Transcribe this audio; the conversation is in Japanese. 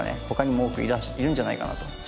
他にも多くいるんじゃないかなと。